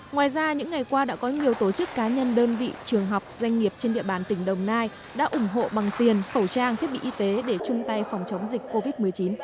ngoài ra những ngày qua đã có nhiều tổ chức cá nhân đơn vị trường học doanh nghiệp trên địa bàn tỉnh đồng nai đã ủng hộ bằng tiền khẩu trang thiết bị y tế để chung tay phòng chống dịch covid một mươi chín